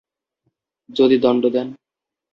যদি দণ্ড দেন?